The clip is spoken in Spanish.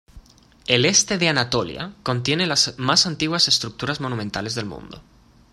El este de Anatolia contiene las más antiguas estructuras monumentales del mundo.